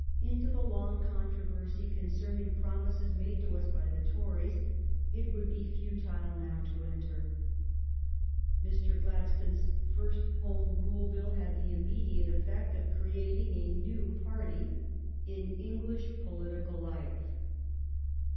Into the long controversy concerning promises made to us by the Tories it would be futile now to enter. Mr. Gladstone's first Home Rule Bill had the immediate effect of creating a new party in English political life.